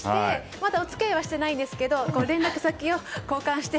まだお付き合いはしていないんですけど連絡先を交換して。